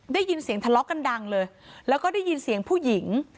ได้ยินเสียงทะเลาะกันดังเลยแล้วก็ได้ยินเสียงผู้หญิง